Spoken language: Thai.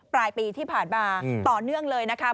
ปลายปีที่ผ่านมาต่อเนื่องเลยนะคะ